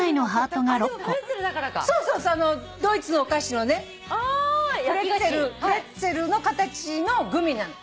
そうそうドイツのお菓子のねプレッツェルの形のグミなの。